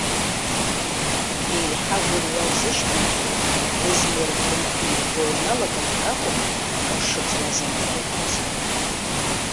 Еиҳа агәырҩа лзышьҭымхуа, лызмҩарак лымхны иаго ианалагалак акәын акыр шыҵуаз ангәалҭоз.